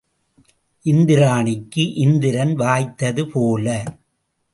இந்திராணிக்கு இந்திரன் வாய்த்தது போல.